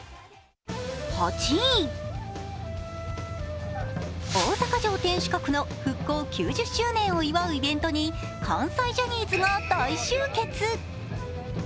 ８位、大阪城天守閣の復興９０周年を祝うイベントに関西ジャニーズが大集結。